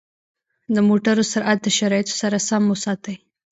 د موټرو سرعت د شرایطو سره سم وساتئ.